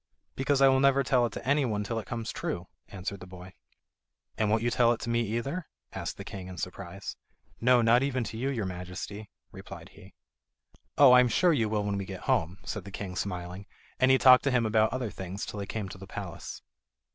"Because I will never tell it to anyone till it comes true," answered the boy. "And won't you tell it to me either?" asked the king in surprise. "No, not even to you, your Majesty," replied he. "Oh, I am sure you will when we get home," said the king smiling, and he talked to him about other things till they came to the palace.